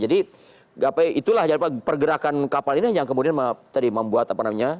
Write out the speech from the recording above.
jadi itulah pergerakan kapal ini yang kemudian tadi membuat apa namanya